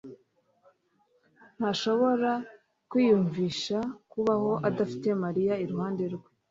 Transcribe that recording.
ntashobora kwiyumvisha kubaho adafite Mariya iruhande rwe.